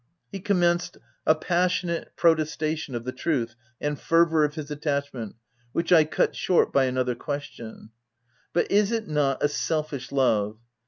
He commenced a passionate protestation of the truth and fervour of his attachment which I cut short by another question :—" But is it not a selfish love